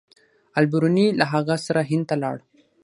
البیروني له هغه سره هند ته لاړ.